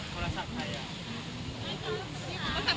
พระศักดิ์ไทยรึเปล่า